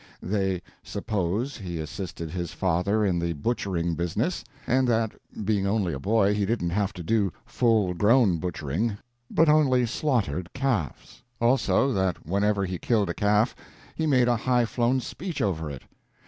They "suppose" he assisted his father in the butchering business; and that, being only a boy, he didn't have to do full grown butchering, but only slaughtered calves. Also, that whenever he killed a calf he made a high flown speech over it.